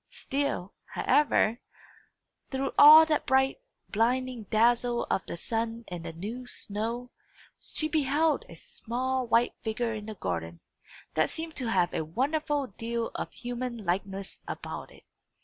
Still, however, through all that bright, blinding dazzle of the sun and the new snow, she beheld a small white figure in the garden, that seemed to have a wonderful deal of human likeness about it.